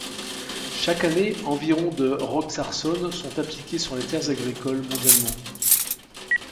Chaque année, environ de roxarsone sont appliquées sur les terres agricoles mondialement.